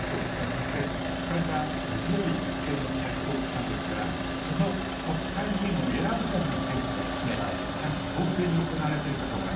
そして国会は文字どおり、国権の最高機関ですから、その国会議員を選ぶための選挙が、ちゃんと公正に行われてるかどうか。